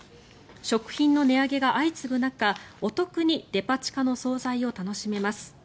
食品の値上げが相次ぐ中お得にデパ地下の総菜を楽しめます。